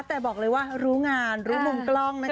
แต่บอกเลยว่ารู้งานรู้มุมกล้องนะคะ